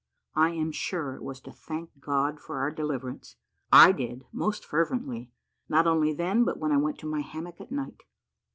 I am sure it was to thank God for our deliverance: I did most fervently, not only then, but when I went to my hammock at night.